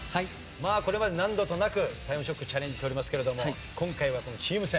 これまで何度となく『タイムショック』チャレンジしておりますけれども今回はこのチーム戦。